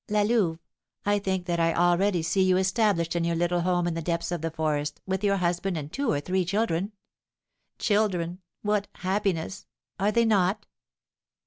"La Louve, I think that I already see you established in your little home in the depths of the forest, with your husband and two or three children. Children, what happiness! Are they not?"